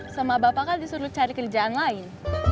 sama bapak kan disuruh cari kerjaan lain